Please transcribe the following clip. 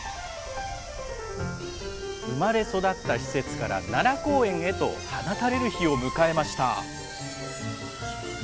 生まれ育った施設から、奈良公園へと放たれる日を迎えました。